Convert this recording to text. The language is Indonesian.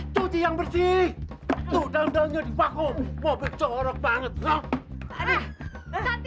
cuci yang bersih tuh daun daunnya di baku mobil corak banget